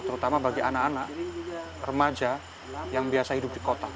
terutama bagi anak anak remaja yang biasa hidup di kota